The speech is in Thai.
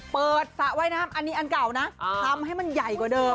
สระว่ายน้ำอันนี้อันเก่านะทำให้มันใหญ่กว่าเดิม